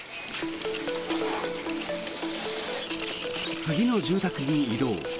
次の住宅に移動。